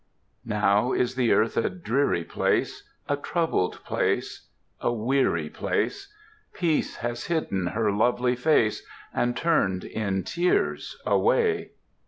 Now is the earth a dreary place, A troubled place, a weary place. Peace has hidden her lovely face And turned in tears away.